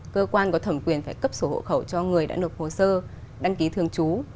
cơ quan có thẩm quyền phải cấp sổ hộ khẩu cho người đã nộp hồ sơ đăng ký thường trú